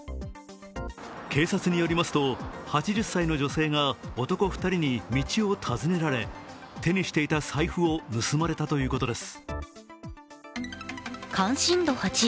警察によりますと８０歳の女性が男２人に道を尋ねられ手にしていた財布を盗まれたということです。